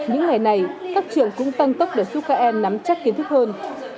những ngày này các trường cũng tăng tốc để giúp các em nắm chắc kiến thức hơn